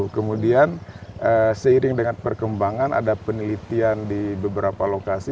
kemudian seiring dengan perkembangan ada penelitian di beberapa lokasi